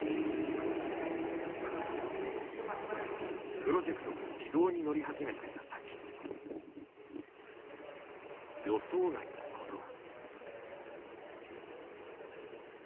プロジェクトが軌道に乗り始めたやさき予想外のことが。